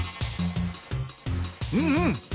うんうん！